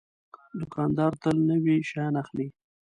دوکاندار تل نوي شیان اخلي.